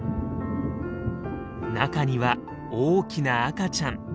中には大きな赤ちゃん。